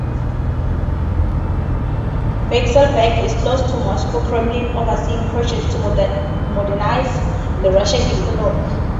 Vekselberg is close to the Moscow Kremlin, overseeing projects to modernize the Russian economy.